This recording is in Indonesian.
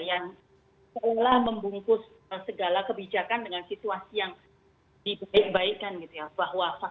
yang seolah membungkus segala kebijakan dengan situasi yang dibaik baikan gitu ya